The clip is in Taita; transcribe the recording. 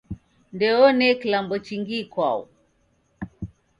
Ndeone kilambo chingi ikwau